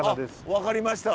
分かりました。